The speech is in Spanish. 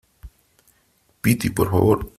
piti , por favor .